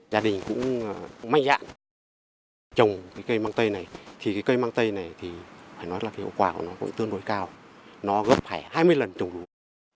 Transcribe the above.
gia đình cũng may dạng trồng cây măng tây này thì cây măng tây này thì phải nói là hiệu quả của nó cũng tương đối cao nó gấp phải hai mươi lần trồng lúa